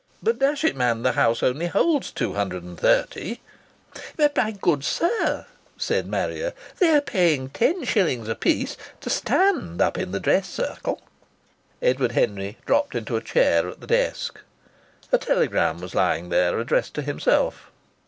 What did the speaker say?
"But, dash it, man, the house only holds two hundred and thirty." "But my good sir," said Marrier, "they're paying ten shillings a piece to stand up in the dress circle." Edward Henry dropped into a chair at the desk. A telegram was lying there, addressed to himself.